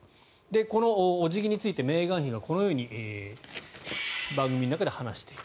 このお辞儀についてメーガン妃がこのように番組の中で話している。